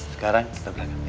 sekarang kita berangkat ya